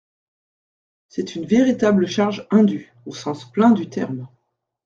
C’est une véritable charge indue, au sens plein du terme.